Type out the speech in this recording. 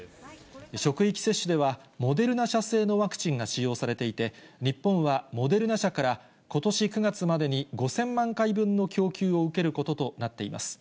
職域接種では、モデルナ社製のワクチンが使用されていて、日本はモデルナ社から、ことし９月までに５０００万回分の供給を受けることとなっています。